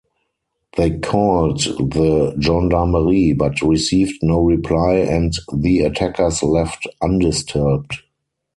They called the gendarmerie but received no reply, and the attackers left undisturbed.